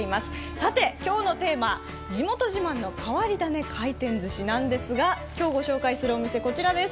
さて、今日のテーマ、地元自慢の変わりダネ回転寿司なんですが、今日ご紹介するお店、こちらです。